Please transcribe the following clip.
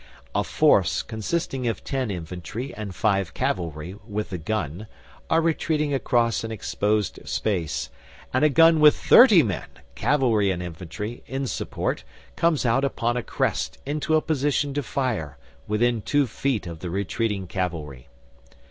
A force consisting of ten infantry and five cavalry with a gun are retreating across an exposed space, and a gun with thirty men, cavalry and infantry, in support comes out upon a crest into a position to fire within two feet of the retreating cavalry.